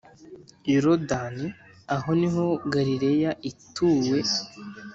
yorodani, aho niho galileya ituwe